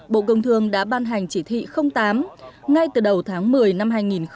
bộ công thương đã ban hành chỉ thị tám ngay từ đầu tháng một mươi năm hai nghìn một mươi chín